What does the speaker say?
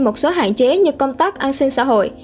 một số hạn chế như công tác an sinh xã hội